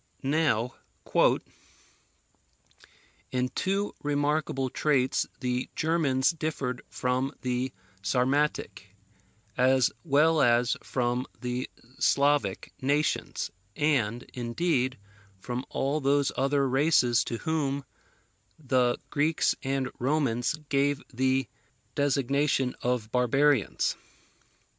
Now, "in two remarkable traits the Germans differed from the Sarmatic, as well as from the Slavic nations, and, indeed, from all those other races to whom the Greeks and Romans gave the designation of barbarians.